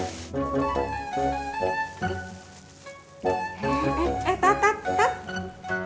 eh eh eh tatat tat